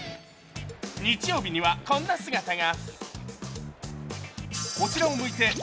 日曜日には、こんな姿が。